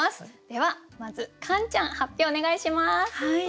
ではまずカンちゃん発表お願いします。